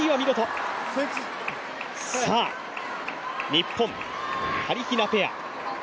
日本、はりひなペア